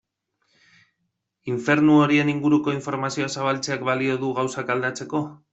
Infernu horien inguruko informazioa zabaltzeak balio du gauzak aldatzeko?